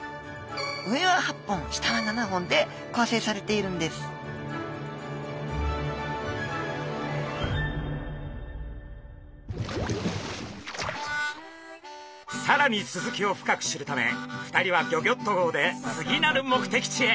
上は８本下は７本で構成されているんですさらにスズキを深く知るため２人はギョギョッと号で次なる目的地へ。